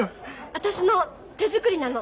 私の手作りなの。